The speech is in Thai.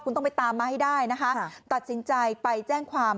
คุณต้องไปตามมาให้ได้นะคะตัดสินใจไปแจ้งความ